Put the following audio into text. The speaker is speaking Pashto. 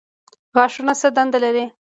غاښونه څه دنده لري؟